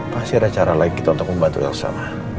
pasti ada cara lagi untuk membantu elsa ma